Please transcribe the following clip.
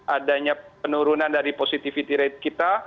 adanya penurunan dari positivity rate kita